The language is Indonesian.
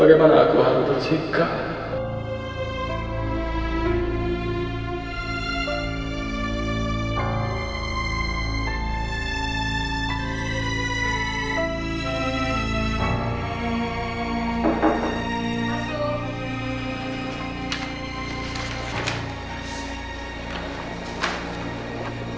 bagaimana aku harus bersikap